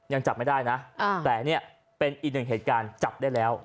ยังจับไม่ได้นะแต่เนี่ยเป็นอีกหนึ่งเหตุการณ์จับได้แล้ว